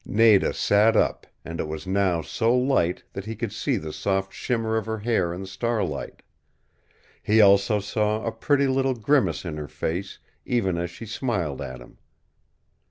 Nada sat up, and it was now so light that he could see the soft shimmer of her hair in the starlight. He also saw a pretty little grimace in her face, even as she smiled at him.